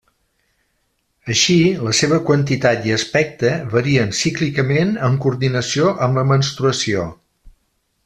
Així, la seva quantitat i aspecte varien cíclicament en coordinació amb la menstruació.